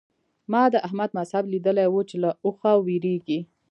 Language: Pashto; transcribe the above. ما د احمد مذهب ليدلی وو چې له اوخه وېرېږي.